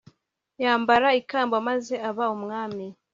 yambara ikamba maze aba umwami